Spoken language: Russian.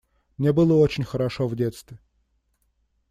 Мне было очень хорошо в детстве.